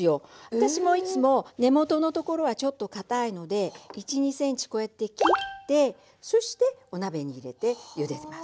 私もいつも根元のところはちょっとかたいので１２ｃｍこうやって切ってそしてお鍋に入れてゆでます。